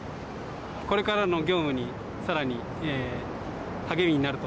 これからの業務にさらに励みになると。